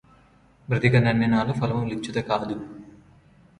బ్రతికినన్నినాళ్ళు ఫలము లిచ్చుట గాదు